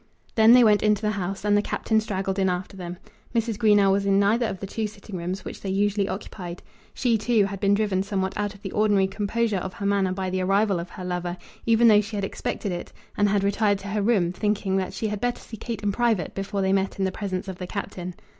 They then went into the house, and the Captain straggled in after them. Mrs. Greenow was in neither of the two sitting rooms which they usually occupied. She, too, had been driven somewhat out of the ordinary composure of her manner by the arrival of her lover, even though she had expected it, and had retired to her room, thinking that she had better see Kate in private before they met in the presence of the Captain.